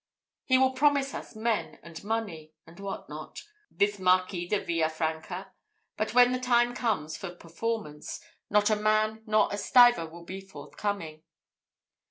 He will promise us men and money, and what not, this Marquis de Villa Franca; but when the time comes for performance, not a man nor a stiver will be forthcoming."